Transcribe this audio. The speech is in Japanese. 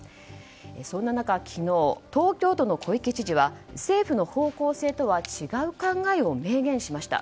そんな中昨日、東京都の小池知事は政府の方向性とは違う考えを明言しました。